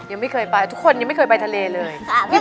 ยังไม่เคยไปทุกคนยังไม่เคยไปทะเลเลย